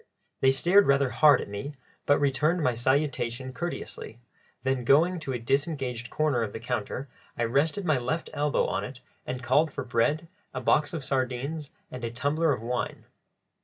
They stared rather hard at me, but returned my salutation courteously; then going to a disengaged corner of the counter, I rested my left elbow on it and called for bread, a box of sardines, and a tumbler of wine.